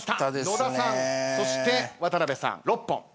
野田さんそして渡辺さん６本。